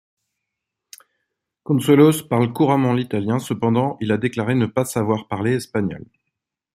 Consuelos parle couramment l'italien cependant il a déclaré ne pas savoir parler espagnol.